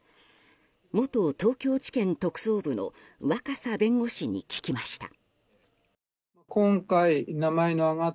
元東京地検特捜部の若狭弁護士に聞きました。